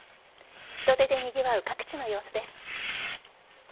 人出でにぎわう各地の様子です。